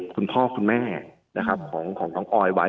คุณพ่อคุณแม่ของน้องออยไว้